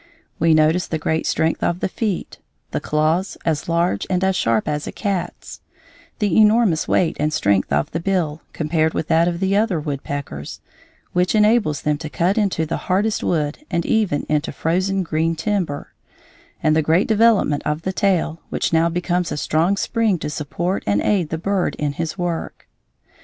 We notice the great strength of the feet; the claws, as large and as sharp as a cat's; the enormous weight and strength of the bill, compared with that of the other woodpeckers, which enables them to cut into the hardest wood and even into frozen green timber; and the great development of the tail, which now becomes a strong spring to support and aid the bird in his work.